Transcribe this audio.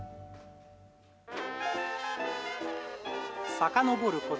さかのぼること